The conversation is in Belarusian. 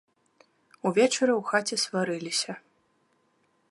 Увечары ў хаце сварыліся.